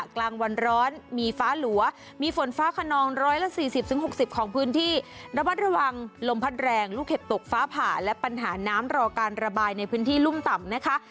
กลางวันร้อนมีฟ้าหลัวมีฝนฟ้าขนอง๑๔๐๖๐ของพื้นที่ระบัดระวังลมพัดแรงลูกเห็บตกฟ้าผ่าและปัญหาน้ำรอการระบายในพื้นที่รุ่มต่ำนะคะ